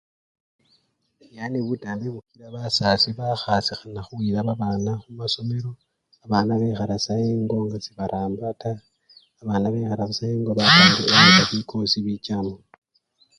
Yani butambi bukila basasi bakhasikhana khuyila babana khumasolelo babana bekhala sa engo nga sebaramba taa, abana bekhala sa engo bawamba bikosi bichamu.